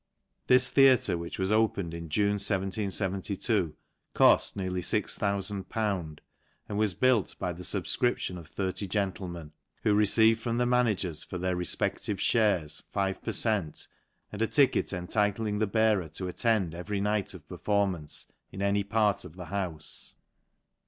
This theatre, 'hich was opened in June, 1772, coft near boobL nd was built by the fubfcription of 30 gentlemen, /ho receive from the managers for their refpeitive hares five per Cent, and a ticket entitling the bearer attend every night of performance, in any part of he houfe.